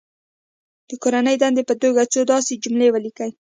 د کورنۍ دندې په توګه څو داسې جملې ولیکي.